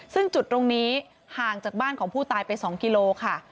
ซึ่งจุดตรงนี้ห่างจากบ้านของผู้ตายไป๒กิโลค่ะ